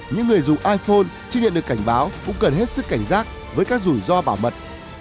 những người dùng iphone chưa nhận được cảnh báo cũng cần hết sức cảnh giác với các rủi ro bảo mật